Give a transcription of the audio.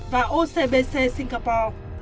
và ocbc singapore